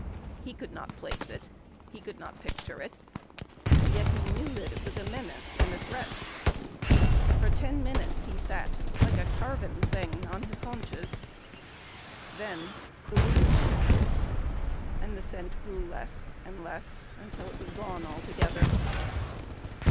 He could not place it. He could not picture it. Yet he knew that it was a menace and a threat. For ten minutes he sat like a carven thing on his haunches. Then the wind shifted, and the scent grew less and less, until it was gone altogether.